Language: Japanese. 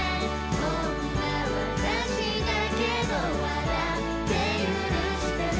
こんな私だけど笑って許してね。